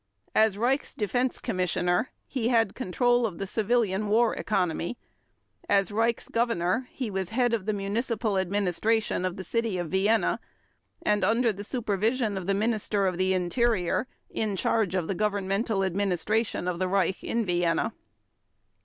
As Reichs Defense Commissioner, he had control of the civilian war economy. As Reichs Governor he was head of the municipal administration of the City of Vienna, and, under the supervision of the Minister of the Interior, in charge of the governmental administration of the Reich in Vienna.